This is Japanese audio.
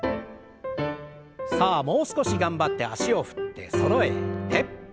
さあもう少し頑張って脚を振ってそろえて。